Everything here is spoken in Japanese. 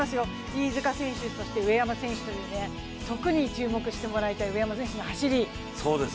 飯塚選手、上山選手という、特に注目してほしい上山選手の走り。